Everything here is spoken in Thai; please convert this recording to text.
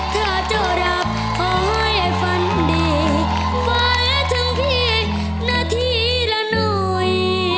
ถ้าจะรับขอให้ฟันดีว่าและทั้งพี่นาทีและหน่อย